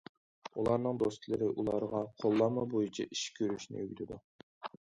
ئۇلارنىڭ دوستلىرى ئۇلارغا« قوللانما» بويىچە ئىش كۆرۈشنى ئۆگىتىدۇ.